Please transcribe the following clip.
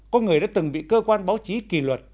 có người đã từng bị cơ quan báo chí kỳ luật